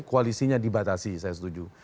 koalisinya dibatasi saya setuju